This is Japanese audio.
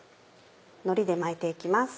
のりで巻いて行きます。